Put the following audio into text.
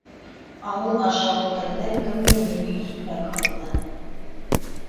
Ауыл аша үткәндә кемдер миңә икмәк һуҙҙы.